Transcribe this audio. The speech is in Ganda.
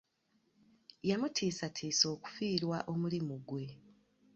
Yamutiisatiisa okufiirwa omulimu gwe.